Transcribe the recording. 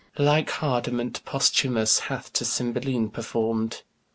Like hardiment Posthumus hath To Cymbeline perform'd.